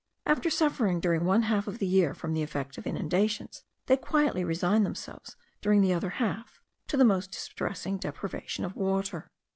After suffering during one half of the year from the effect of inundations, they quietly resign themselves, during the other half; to the most distressing deprivation of water.